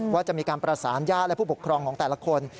ว่าจะมีการประสานญาติและผู้ปกครองของแต่ละคน